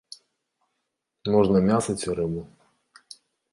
Можна мяса ці рыбу.